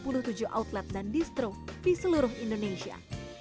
mereka yang tersebar di tiga puluh tujuh outlet dan distro di seluruh indonesia